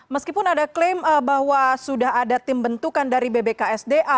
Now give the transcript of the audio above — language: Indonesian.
meskipun ada klaim bahwa sudah ada tim bentukan dari bbksda